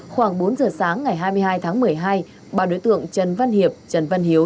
khoảng bốn giờ sáng ngày hai mươi hai tháng một mươi hai ba đối tượng trần văn hiệp trần văn hiếu